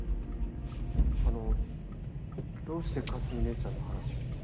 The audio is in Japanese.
あのどうして香澄姉ちゃんの話を？